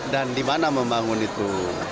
dan di mana membangun itu